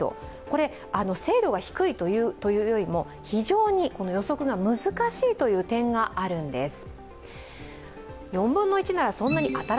これは精度が低いというよりも非常に予測が難しいという点があるんです。